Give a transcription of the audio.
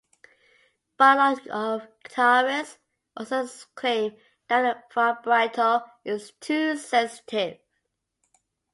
But a lot of guitarists also claim that the vibrato is too sensitive.